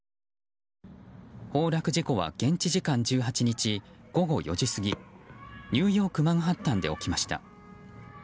崩落事故は現地時間１８日午後４時過ぎニューヨーク・マンハッタンで起きました。